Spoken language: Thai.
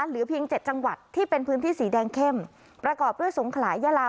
เหลือเพียง๗จังหวัดที่เป็นพื้นที่สีแดงเข้มประกอบด้วยสงขลายลา